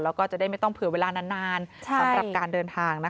แล้วก็จะได้ไม่ต้องเผื่อเวลานานสำหรับการเดินทางนะคะ